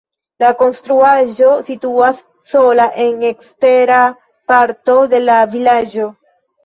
La konstruaĵo situas sola en ekstera parto de la vilaĝo.